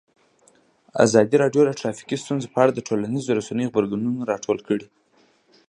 ازادي راډیو د ټرافیکي ستونزې په اړه د ټولنیزو رسنیو غبرګونونه راټول کړي.